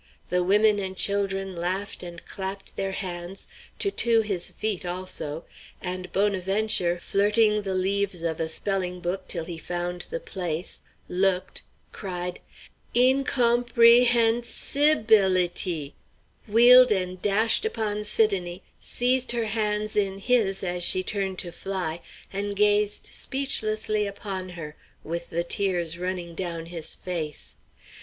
The women and children laughed and clapped their hands, Toutou his feet also, and Bonaventure, flirting the leaves of a spelling book till he found the place, looked, cried "In com pre hen sibility!" wheeled and dashed upon Sidonie, seized her hands in his as she turned to fly, and gazed speechlessly upon her, with the tears running down his face.